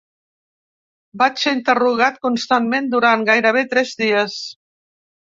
Vaig ser interrogat constantment durant gairebé tres dies.